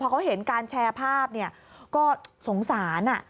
เขาเห็นการแชร์ภาพก็สงสาร